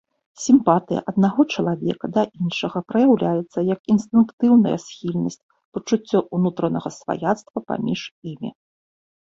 Сімпатыя аднаго чалавека да іншага праяўляецца як інстынктыўная схільнасць, пачуццё ўнутранага сваяцтва паміж імі.